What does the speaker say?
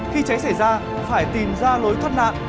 khi cháy xảy ra phải tìm ra lối thoát nạn